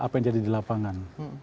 apa yang jadi di lapangan